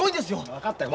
分かったよ。